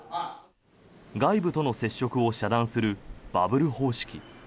外部との接触を遮断するバブル方式。